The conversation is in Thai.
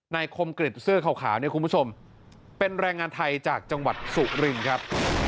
คมกริจเสื้อขาวเนี่ยคุณผู้ชมเป็นแรงงานไทยจากจังหวัดสุรินครับ